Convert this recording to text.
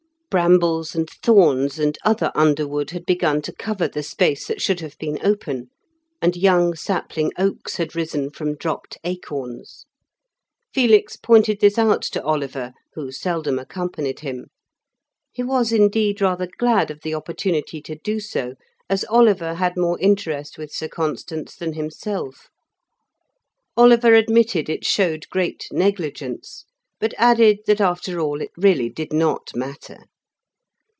Brambles and thorns and other underwood had begun to cover the space that should have been open, and young sapling oaks had risen from dropped acorns. Felix pointed this out to Oliver, who seldom accompanied him; he was indeed rather glad of the opportunity to do so, as Oliver had more interest with Sir Constans than himself. Oliver admitted it showed great negligence, but added that after all it really did not matter.